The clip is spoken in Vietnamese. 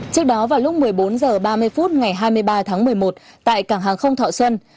trước đó vào lúc một mươi bốn h ba mươi phút ngày hai mươi ba tháng một mươi một tại cảng hàng không thọ xuân